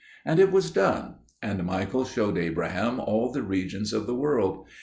And it was done; and Michael showed Abraham all the regions of the world.